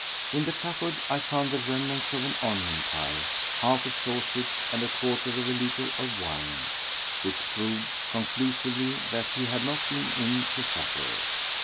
In the cupboard I found the remnants of an onion pie, half a sausage, and a quarter of a litre of wine, which proved conclusively that he had not been in to supper.